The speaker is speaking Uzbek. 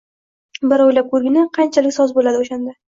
- Bir o‘ylab ko‘rgin-a, qanchalik soz bo‘ladi o'shanda!